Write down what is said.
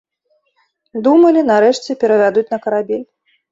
Думалі, нарэшце, перавядуць на карабель.